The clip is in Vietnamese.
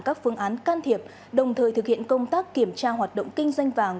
các phương án can thiệp đồng thời thực hiện công tác kiểm tra hoạt động kinh doanh vàng